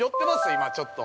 今ちょっと。